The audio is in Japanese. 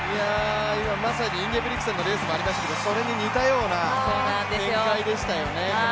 今、まさにインゲブリクセンのレースもありましたけどそれに似たような展開でしたよね。